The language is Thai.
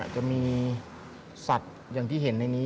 จะมีสัตว์อย่างที่เห็นในนี้